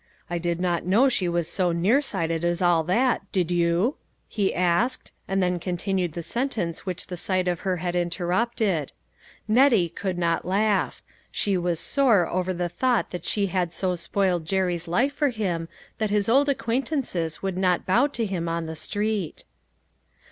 "I did not know she was 202 LITTLE FISHERS: AND THEIR NETS. so nearsighted as all that, did you?" he asked, and then continued the sentence which the sight of her had interruped. Nettie could not laugh ; she was sore over the thought that she had so spoiled Jerry's life for him that his old acquaint ances would not bow to him on the street.